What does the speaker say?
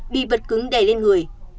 bị vật cứng đè lên người